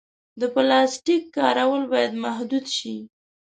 د پلاسټیک کارول باید محدود شي.